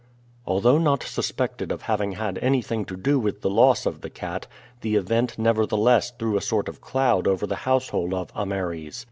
Although not suspected of having had anything to do with the loss of the cat, the event nevertheless threw a sort of cloud over the household of Ameres.